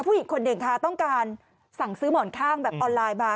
ผู้หญิงคนหนึ่งค่ะต้องการสั่งซื้อหมอนข้างแบบออนไลน์มา